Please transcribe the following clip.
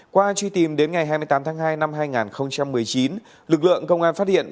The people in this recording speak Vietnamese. qua truy tìm đến ngày hai mươi tám tháng hai năm hai nghìn một mươi chín lực lượng công an phát hiện